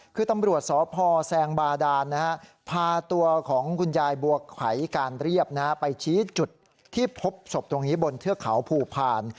คือตำรวจสพแซงบาดานพาตัวของคุณยายบัวไขการเรียบไปชี้จุดที่พบศพตรงนี้บนเทือกเขาภูพาล